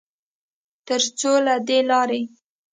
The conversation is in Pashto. ترڅوله دې لارې